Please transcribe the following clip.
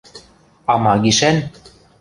– А, ма гишӓн?..